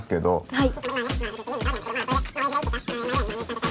はい。